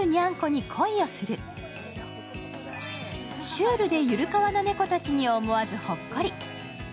シュールでゆるかわな猫たちに思わずほっこり。